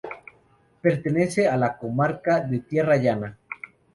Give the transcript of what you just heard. Pertenece a la comarca de Tierra Llana.